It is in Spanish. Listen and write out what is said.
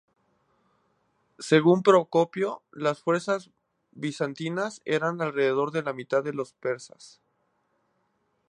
Según Procopio, las fuerzas bizantinas eran alrededor de la mitad que los persas.